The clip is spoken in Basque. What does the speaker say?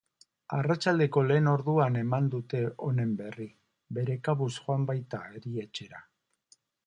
Arratsaldeko lehen orduan eman dute honen berri, bere kabuz joan baita erietxera.